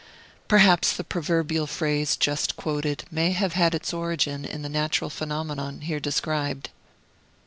Perhaps the proverbial phrase just quoted may have had its origin in the natural phenomenon here described.